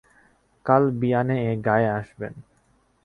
কাল বিয়ানে এ গাঁয়ে আসবেন।